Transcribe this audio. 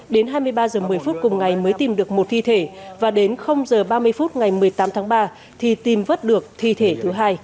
đến hai mươi ba h một mươi phút cùng ngày mới tìm được một thi thể và đến h ba mươi phút ngày một mươi tám tháng ba thì tìm vất được thi thể thứ hai